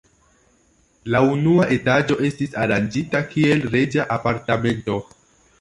La unua etaĝo estis aranĝita kiel reĝa apartamento.